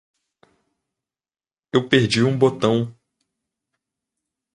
Eu perdi um botão!